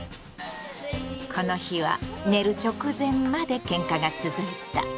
この日は寝る直前までケンカが続いた。